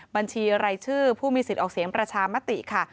บัญชีรายชื่อผู้มีสิทธิ์ออกเสียงประชามติค่ะ